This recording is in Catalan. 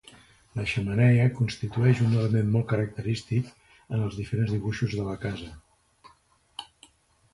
La xemeneia constitueix un element molt característic en els diferents dibuixos de la casa.